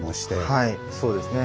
はいそうですね。